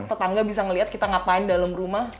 tetangga bisa ngeliat kita ngapain dalam rumah